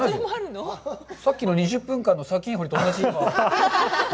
さっきの２０分間の砂金採りと。